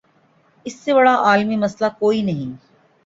اس سے بڑا عالمی مسئلہ کوئی نہیں۔